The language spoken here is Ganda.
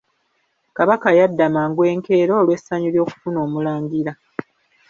Kabaka yadda mangu enkeera olw'essanyu ly'okufuna omulangira.